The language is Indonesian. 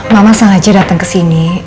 mama sengaja datang kesini